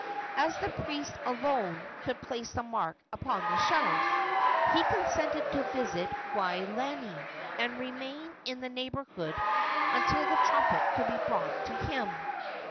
As the priest alone could place the mark upon the shell, he consented to visit Waolani, and remain in the neighborhood until the trumpet could be brought to him.